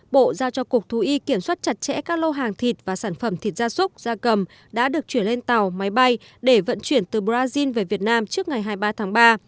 bộ giao cho cục thú y kiểm soát chặt chẽ các lô hàng thịt và sản phẩm thịt gia súc gia cầm đã được chuyển lên tàu máy bay để vận chuyển từ brazil về việt nam trước ngày hai mươi ba tháng ba